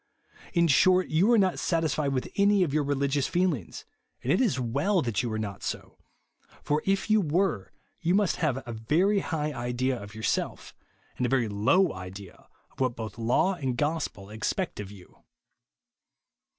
In short, you are not satisfied ^vith any of your rehgious feehngs ; and it is weU that you are not so ; for, if you were, you must have a very high idea of yourself, and a very low idea of what both law and gospel expect of you.